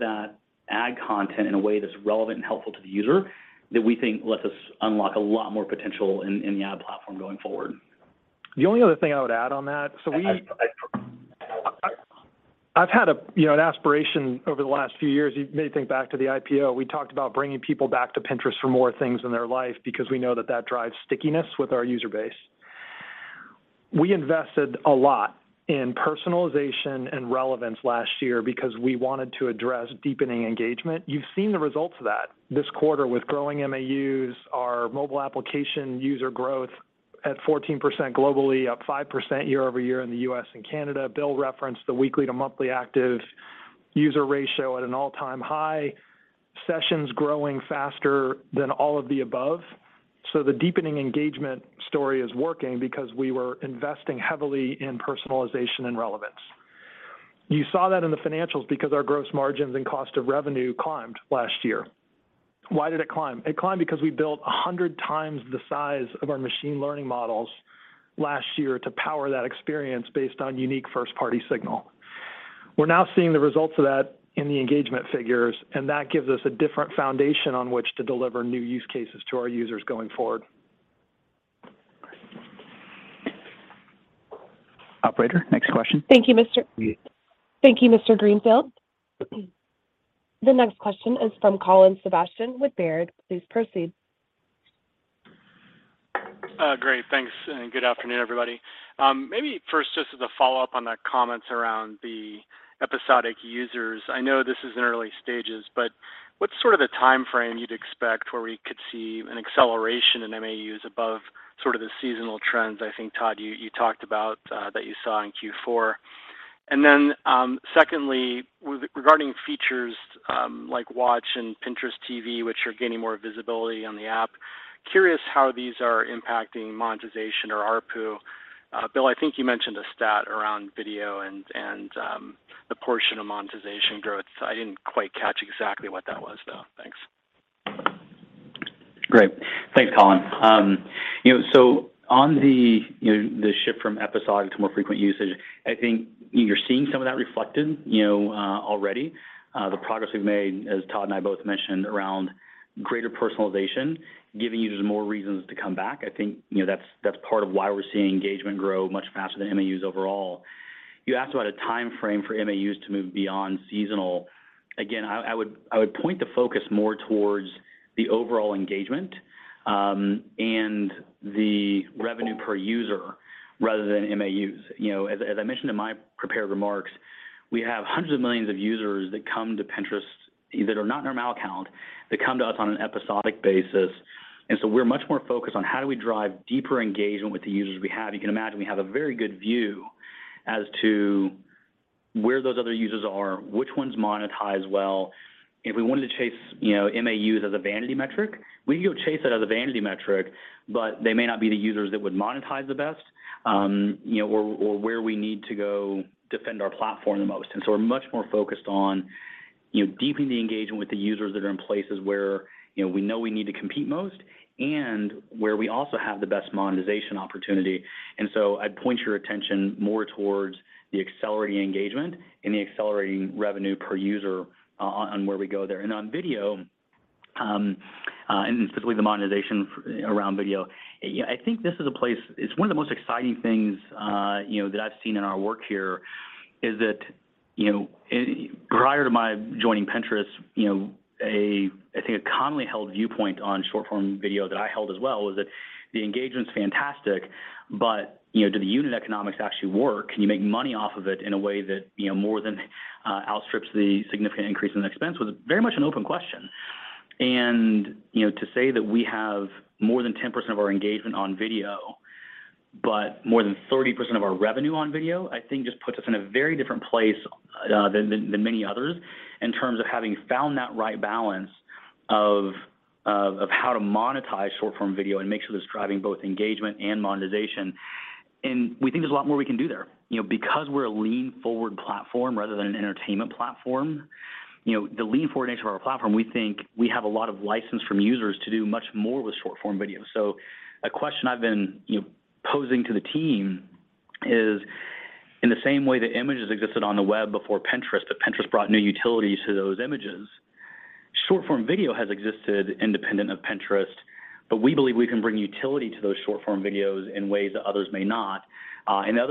S3: relevant ad content, unlocking more potential in the ad platform.
S4: The only other thing I would add on that.
S3: We-
S4: So we-
S3: I, I-
S4: Over the past few years, we’ve focused on bringing people back to Pinterest for more aspects of their life to drive stickiness. Personalization and relevance investments last year deepened engagement. MAUs grew, mobile app users grew 14% globally, 5% in U.S. and Canada. Bill highlighted weekly-to-monthly active user ratio at all-time high. Sessions are growing faster than users. Deepening engagement is working due to heavy investment in personalization and relevance, reflected in financials with rising gross margins and cost of revenue. Gross margins increased because we built 100× larger machine learning models last year using first-party signals. These models power engagement improvements and provide a foundation to deliver new use cases for users going forward.
S9: Operator, next question.
S1: Thank you, Mr.-
S9: Please.
S1: Thank you, Mr. Greenfield. The next question is from Colin Sebastian with Baird. Please proceed.
S10: Great. Thanks, good afternoon, everybody. Following up on episodic users, when might we see MAU acceleration beyond seasonal trends, as Todd mentioned in Q4? Also, features like Watch and Pinterest TV are gaining visibility. How are these impacting monetization or ARPU? Bill, you mentioned video stats and revenue contribution—could you clarify? Thanks.
S3: Thanks, Colin. Regarding episodic to frequent usage, progress is already visible. Personalization gives users reasons to return, so engagement grows faster than MAUs. Focus on MAU acceleration should shift to overall engagement and revenue per user rather than MAUs alone. Hundreds of millions of users visit episodically. Our focus is on driving deeper engagement with users we have. We track where users are, which monetize well. Chasing MAUs as a vanity metric may not yield the best monetization or platform defense. We prioritize deepening engagement in areas with highest competition and monetization potential. Focus on accelerating engagement and revenue per user. Regarding video monetization, this is one of the most exciting opportunities. Before my joining, short-form video engagement was strong, but unit economics were uncertain. We now have 10%+ engagement on video, but 30%+ of revenue from video, demonstrating successful balance of engagement and monetization. Video monetization is outperforming expectations. Our lean-forward platform allows more flexibility than entertainment platforms to monetize short-form video. We see significant opportunities to continue growth while maintaining user experience and engagement. A question I've been posing to the team: images existed on the web before Pinterest, but Pinterest brought new utility. Similarly, short-form video exists independent of Pinterest, but we can bring unique utility. Others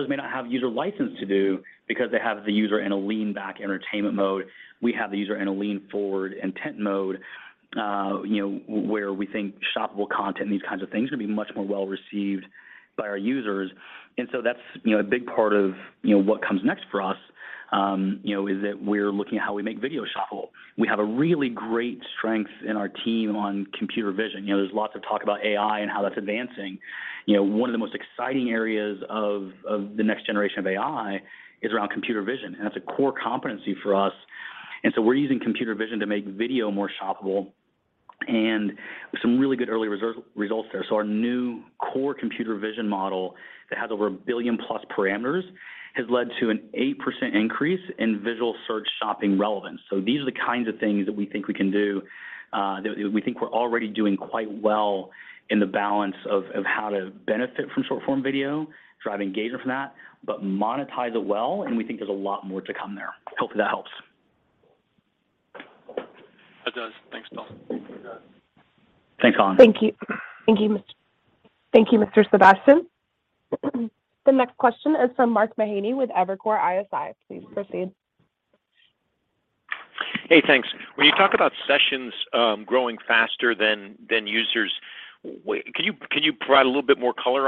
S3: may lack the user license to do so, being in a lean-back entertainment mode. We have users in a lean-forward intent mode, where shoppable content will be better received. A key focus for us is making video shoppable, leveraging our team’s strength in computer vision. AI and computer vision are core competencies for us. Using computer vision, we make video more shoppable with early positive results. Our new core computer vision model, with over a billion parameters, has improved visual search shopping relevance by 8%. This shows our ability to balance engagement and monetization from short-form video, with much more potential ahead.
S5: That does. Thanks, Colin.
S3: Thanks, Colin.
S5: Thank you. Thank you, Mr. Sebastian. The next question is from Mark Mahaney with Evercore ISI. Please proceed.
S11: When sessions are growing faster than users, is it more sessions per user in current categories, or are users exploring new categories? Second, regarding margin expansion in 2023: can you provide qualitative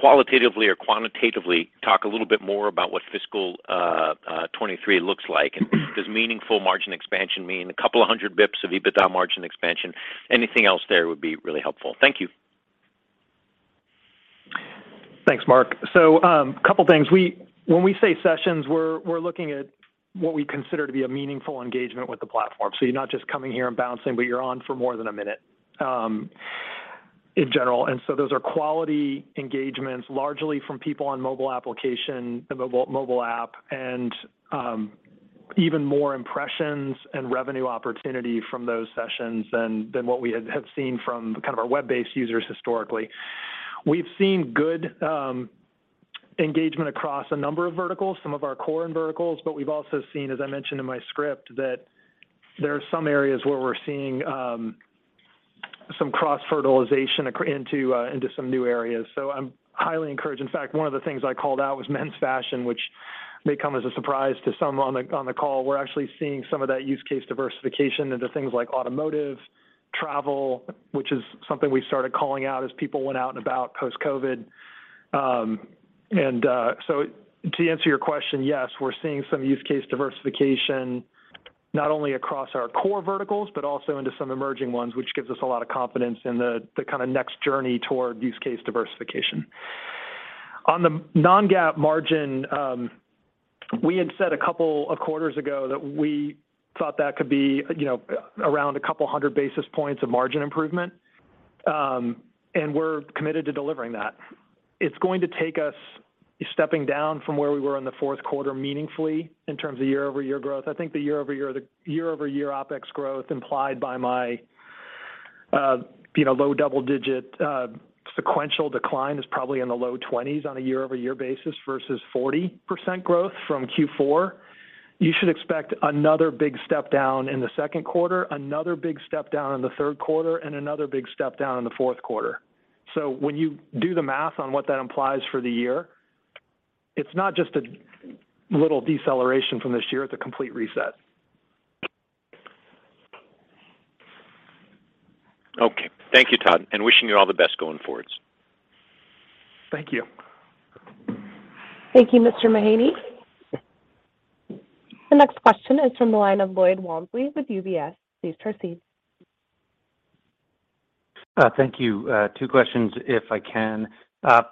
S11: or quantitative guidance? Does meaningful margin expansion imply 200 bps of EBITDA improvement? Thank you.
S3: Thanks, Mark. Couple things. When we say sessions, we're looking at what we consider to be a meaningful engagement with the platform. You're not just coming here and bouncing, but you're on for more than one minute in general. Those are quality engagements, largely from people on mobile application, the mobile app, and even more impressions and revenue opportunity from those sessions than what we have seen from kind of our web-based users historically. We've seen good engagement across a number of verticals, some of our core end verticals, but we've also seen, as I mentioned in my script, that there are some areas where we're seeing some cross-fertilization into some new areas. I'm highly encouraged. In fact, one of the things I called out was men's fashion, which may come as a surprise to some on the call. We're actually seeing some of that use case diversification into things like automotive, travel, which is something we started calling out as people went out and about post-COVID. To answer your question, yes, we're seeing some use case diversification. Not only across our core verticals, but also into some emerging ones, which gives us a lot of confidence in the kind of next journey toward use case diversification. On the non-GAAP margin, we had said a couple of quarters ago that we thought that could be, you know, around a couple hundred basis points of margin improvement, and we're committed to delivering that. It's going to take us stepping down from where we were in the fourth quarter meaningfully in terms of year-over-year growth. I think the year-over-year OpEx growth implied by my, you know, low double-digit sequential decline is probably in the low 20s on a year-over-year basis versus 40% growth from Q4. You should expect another big step down in the second quarter, another big step down in the third quarter, and another big step down in the fourth quarter. When you do the math on what that implies for the year, it's not just a little deceleration from this year, it's a complete reset.
S11: Thank you, Mr. Mahaney. Next question is from Lloyd Walmsley with UBS. Please proceed.
S3: Thank you.
S5: Thank you, Mr. Mahaney. The next question is from the line of Lloyd Walmsley with UBS. Please proceed.
S12: Thank you. Two questions if I can.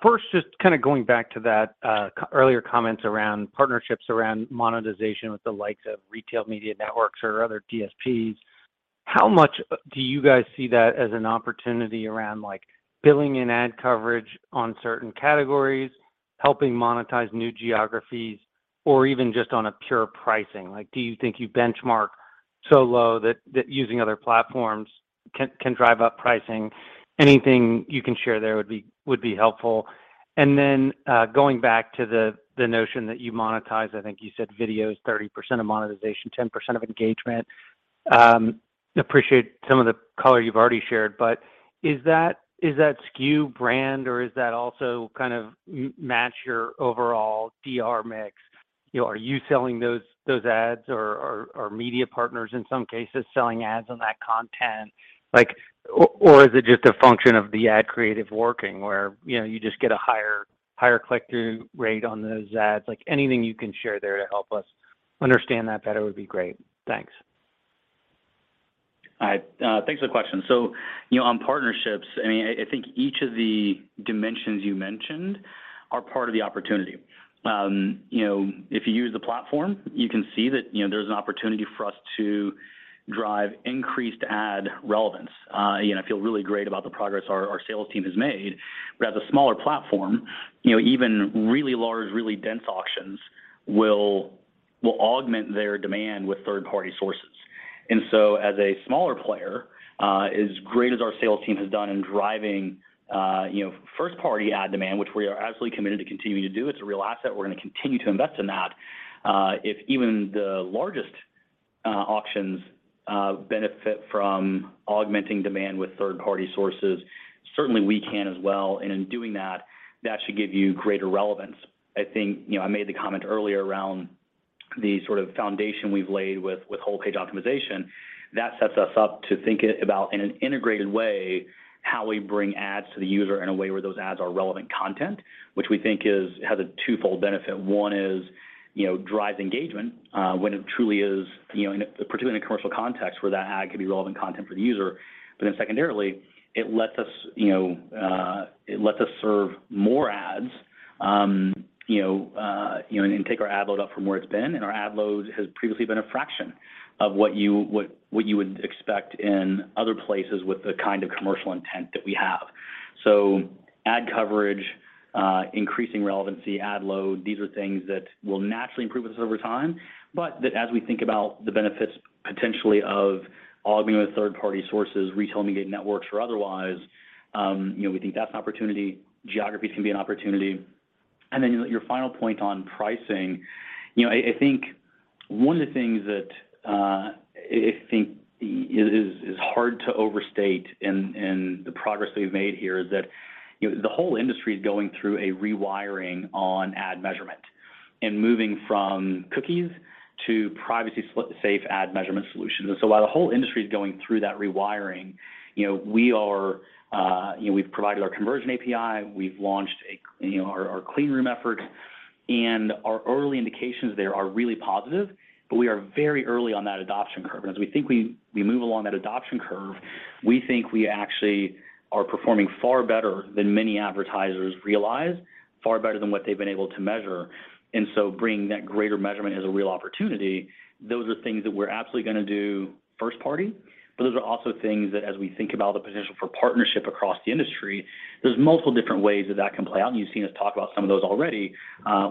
S12: First, just kind of going back to that earlier comments around partnerships around monetization with the likes of retail media networks or other DSPs. How much do you guys see that as an opportunity around, like, billing and ad coverage on certain categories, helping monetize new geographies, or even just on a pure pricing? Like, do you think you benchmark so low that using other platforms can drive up pricing? Anything you can share there would be helpful. Going back to the notion that you monetize, I think you said video is 30% of monetization, 10% of engagement. Appreciate some of the color you've already shared, but is that SKU brand or is that also kind of match your overall DR mix? You know, are you selling those ads or media partners in some cases selling ads on that content? Like, or is it just a function of the ad creative working where, you know, you just get a higher click-through rate on those ads? Like, anything you can share there to help us understand that better would be great. Thanks.
S3: Partnerships can increase ad relevance, augment demand with third-party sources, and improve performance even for smaller auctions. Whole-page optimization ensures ads are integrated and relevant, benefiting engagement and monetization. If even the largest auctions benefit from augmenting demand with third-party sources, certainly we can as well. In doing that should give you greater relevance. I think, you know, I made the comment earlier around the sort of foundation we've laid with whole-page optimization. That sets us up to think about in an integrated way how we bring ads to the user in a way where those ads are relevant content, which we think has a twofold benefit. One is, you know, drives engagement when it truly is, you know, particularly in a commercial context where that ad could be relevant content for the user. Secondarily, it lets us, you know, it lets us serve more ads, you know, you know, and take our ad load up from where it's been, and our ad load has previously been a fraction of what you would expect in other places with the kind of commercial intent that we have. Ad coverage, increasing relevancy, ad load, these are things that will naturally improve with us over time. As we think about the benefits potentially of augmenting with third-party sources, retail media networks or otherwise, you know, we think that's an opportunity. Geographies can be an opportunity. Your final point on pricing. You know, I think one of the things that I think is hard to overstate in the progress we've made here is that, you know, the whole industry is going through a rewiring on ad measurement and moving from cookies to privacy-safe ad measurement solutions. While the whole industry is going through that rewiring, you know, we are, we've provided our Conversion API, we've launched our clean room effort, and our early indications there are really positive, but we are very early on that adoption curve. As we think we move along that adoption curve, we think we actually are performing far better than many advertisers realize, far better than what they've been able to measure. Bringing that greater measurement is a real opportunity. Those are things that we're absolutely gonna do first party. Those are also things that as we think about the potential for partnership across the industry, there's multiple different ways that that can play out, and you've seen us talk about some of those already,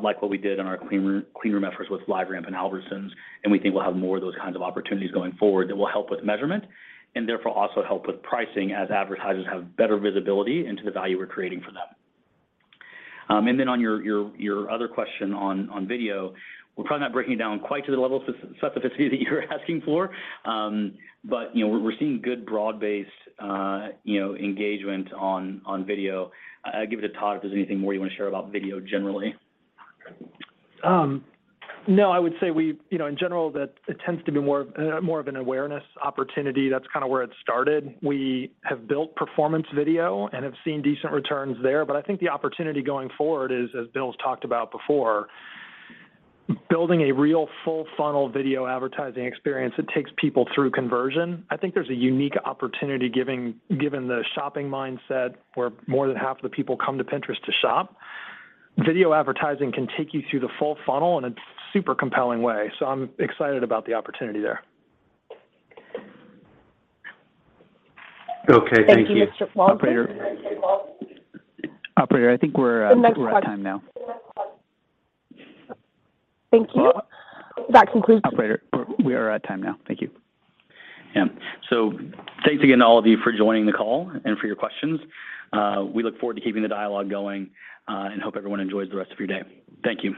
S3: like what we did on our clean room efforts with LiveRamp and Albertsons, and we think we'll have more of those kinds of opportunities going forward that will help with measurement, and therefore also help with pricing as advertisers have better visibility into the value we're creating for them. Then on your other question on video, we're probably not breaking it down quite to the level of specificity that you're asking for. You know, we're seeing good broad-based, you know, engagement on video. Give it to Todd if there's anything more you want to share about video generally.
S4: No, I would say You know, in general, that it tends to be more of an awareness opportunity. That's kind of where it started. We have built performance video and have seen decent returns there. I think the opportunity going forward is, as Bill's talked about before, building a real full funnel video advertising experience that takes people through conversion. I think there's a unique opportunity given the shopping mindset where more than half of the people come to Pinterest to shop. Video advertising can take you through the full funnel in a super compelling way. I'm excited about the opportunity there.
S12: Okay. Thank you.
S5: Thank you, Mr. Walmsley.
S2: Operator, I think we're at time now.
S5: The next question. Thank you. That concludes-
S2: Operator, we are at time now. Thank you.
S3: Yeah. Thanks again to all of you for joining the call and for your questions. We look forward to keeping the dialogue going, and hope everyone enjoys the rest of your day. Thank you.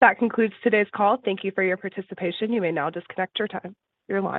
S5: That concludes today's call. Thank you for your participation. You may now disconnect your line.